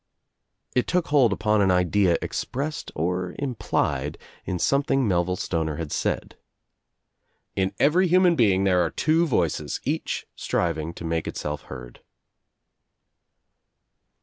It took hold upon an idea expressed or implied in something Melville Stoner had said. "In every hu man being there are two voices, each striving to make itself heard."